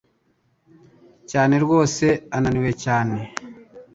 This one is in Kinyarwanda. cyane rwose ananiwe cyane